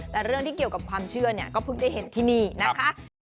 แต่เรื่องที่เกี่ยวกับความเชื่อเนี่ยก็เพิ่งได้เห็นที่นี่นะคะ